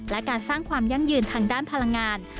และการสร้างความยั่งยืนทางด้านพลังงาน